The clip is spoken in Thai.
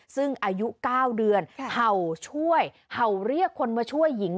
ซึ่งอายุ๙เดือนเห่าช่วยเห่าเรียกคนมาช่วยหญิง